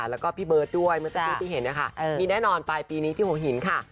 แล้วก็พี่เบิร์ตด้วยเมื่อสักครู่ที่เห็นนะคะมีแน่นอนปลายปีนี้ที่หัวหินค่ะ